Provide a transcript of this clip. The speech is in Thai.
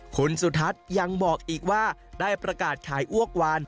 คุณสุทัศน์ยังบอกอีกว่าได้ประกาศขายอ้วกวาน